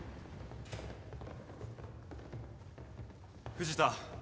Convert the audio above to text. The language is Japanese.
藤田